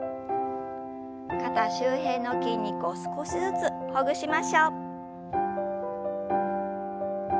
肩周辺の筋肉を少しずつほぐしましょう。